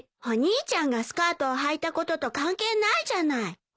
お兄ちゃんがスカートをはいたことと関係ないじゃない。